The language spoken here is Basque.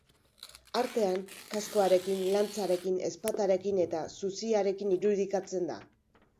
Artean, kaskoarekin, lantzarekin, ezpatarekin eta zuziarekin irudikatzen da.